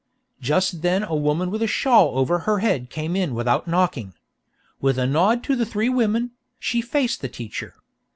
Just then a woman with a shawl over her head came in without knocking. With a nod to the three women, she faced the teacher.